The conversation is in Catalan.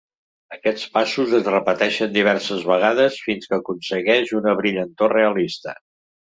Aquests passos es repeteixen diverses vegades fins que s'aconsegueix una brillantor realista.